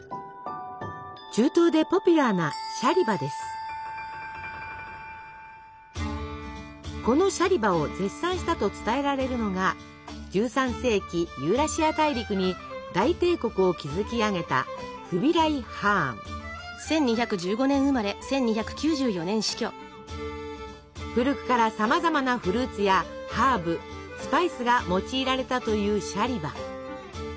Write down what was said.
中東でポピュラーなこのシャリバを絶賛したと伝えられるのが１３世紀ユーラシア大陸に大帝国を築き上げた古くからさまざまなフルーツやハーブスパイスが用いられたというシャリバ。